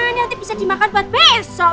ini nanti bisa dimakan buat besok